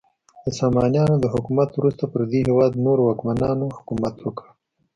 د سامانیانو د حکومت وروسته پر دې هیواد نورو واکمنانو حکومت وکړ.